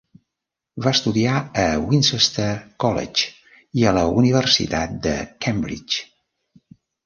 Va estudiar a Winchester College i a la Universitat de Cambridge.